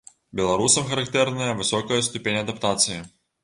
Беларусам характэрная высокая ступень адаптацыі.